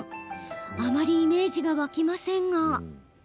あまりイメージが湧きませんが。